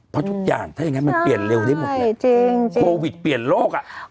เพราะทุกอย่างถ้าอย่างนั้นมันเปลี่ยนเร็วได้หมดเลยจริงโควิดเปลี่ยนโลกอ่ะ